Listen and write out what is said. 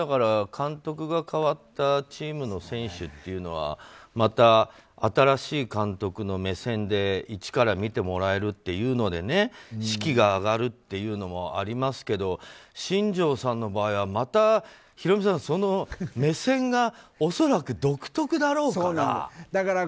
監督が変わったチームの選手というのはまた新しい監督の目線で一から見てもらえるというので士気が上がるというのもありますけど新庄さんの場合はまたヒロミさん、その目線が恐らく独特だろうから。